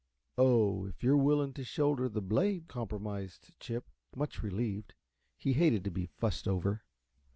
"Oh, if you're willing to shoulder the blame," compromised Chip, much relieved. He hated to be fussed over.